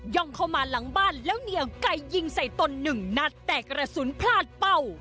่องเข้ามาหลังบ้านแล้วเหนียวไก่ยิงใส่ตนหนึ่งนัดแต่กระสุนพลาดเป้า